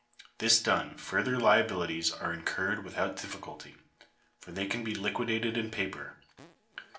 This done, further liabilities are incurred with out difficulty, for they can be liquidated in paper.